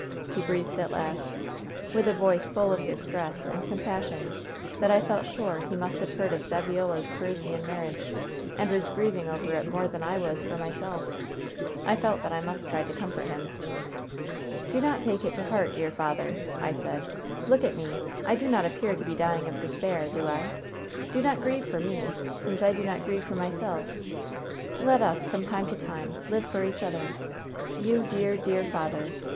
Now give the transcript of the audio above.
ho breathed at last, with a voice full of distress and compas sion that I felt sure he must have heard of Saviola^s Parisian marriage, and was grieving over it more than I was for myself. I felt that I must try to comfort him. " *Do not take it to heart, dear father,^ I said. 'Look at me ! I do not appear to be dying of despair, do 1 1 Do not grieve for me, since I do not grieve for myself. Let us, from time to time, live for each other. You, dear, dear father!